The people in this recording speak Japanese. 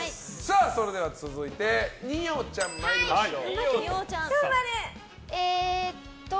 それでは続いて二葉ちゃん参りましょう。